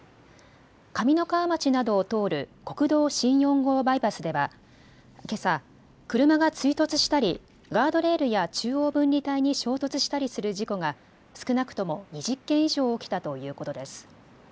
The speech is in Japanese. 上三川町などを通る国道新４号バイパスではけさ車が追突したりガードレールや中央分離帯に衝突したりする事故が少なくとも２０件以上起きたということです。